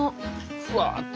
ふわって。